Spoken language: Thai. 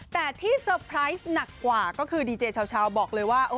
แต่ที่เตอร์ไพรส์หนักกว่าก็คือดีเจชาวบอกเลยว่า